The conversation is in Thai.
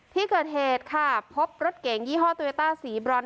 ที่เกิดเหตุค่ะพบรถเก๋งยี่ห้อโตโยต้าสีบรอน